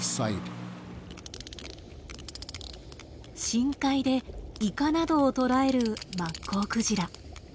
深海でイカなどを捕らえるマッコウクジラ。